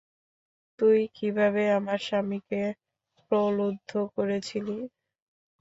তুই কীভাবে আমার স্বামীকে প্রলুব্ধ করেছিলি?